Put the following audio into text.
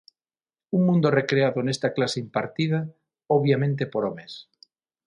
Un mundo recreado nesta clase impartida, obviamente, por homes.